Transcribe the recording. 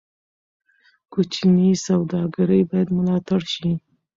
کوچني سوداګرۍ باید ملاتړ شي.